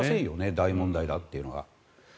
大問題だというのが。